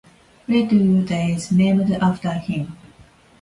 Layton, Utah is named after him.